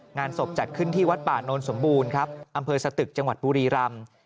งานศพจัดขึ้นที่วัดป่านนสมบูรณ์ครับอำเภอสตึกจังหวัดบุรีรำ